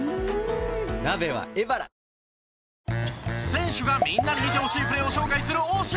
選手がみんなに見てほしいプレーを紹介する推し